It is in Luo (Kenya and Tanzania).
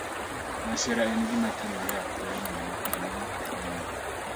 Masira en gima timore apoya nono kendo ma kelo hinyruok.